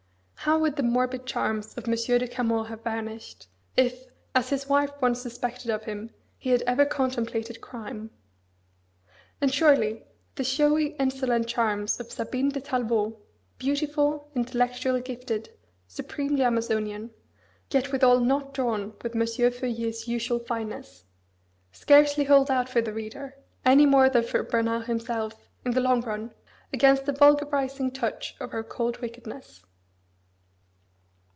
How would the morbid charms of M. de Camors have vanished, if, as his wife once suspected of him, he had ever contemplated crime! And surely, the showy insolent charms of Sabine de Tallevaut, beautiful, intellectually gifted, supremely Amazonian, yet withal not drawn with M. Feuillet's usual fineness, scarcely hold out for the reader, any more than for Bernard himself, in the long run, against the vulgarising touch of her cold wickedness.